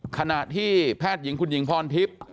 ขณะที่แพทย์หญิงคุณหญิงพรทิพย์